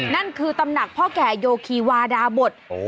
นั่นคือตำหนักพ่อแก่โยคีวาดาบท